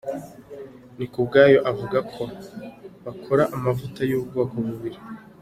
Nikubwayo avuga ko bakora amavuta y’ubwoko bubiri.